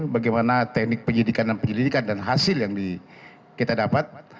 bagaimana teknik penyelidikan dan penyelidikan dan hasil yang kita dapat